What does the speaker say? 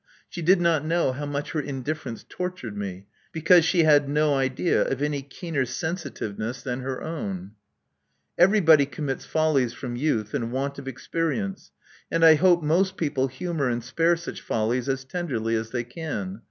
She did not know how much her indiflEerence tortured me, because she had no idea of any keener sensitiveness than her own. 224 Love Among the Artists Everybody commits follies from youth and want of experience ; and I hope most people humor and spare such follies as tenderly as they can.